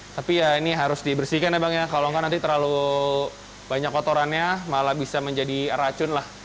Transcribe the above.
tapi ya ini harus dibersihkan ya bang ya kalau nggak nanti terlalu banyak kotorannya malah bisa menjadi racun lah